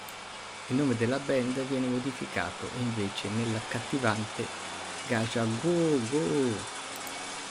Il nome della band viene modificato invece nell'accattivante Kajagoogoo.